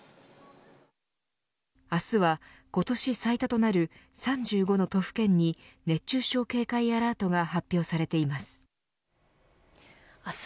明日は、今年最多となる３５の都府県に熱中症警戒アラートが発表されています。